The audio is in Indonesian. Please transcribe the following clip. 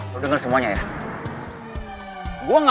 lo denger semuanya ya